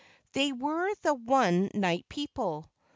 They were the one night people.